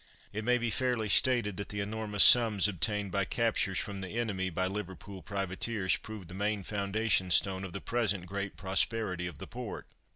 It may be fairly stated that the enormous sums obtained by captures from the enemy by Liverpool privateers proved the main foundation stone of the present great prosperity of the port.